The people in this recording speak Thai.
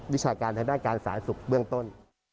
วิชาการทางด้านการสาธารณสุขเบื้องต้น